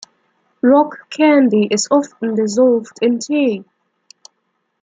Rock candy is often dissolved in tea.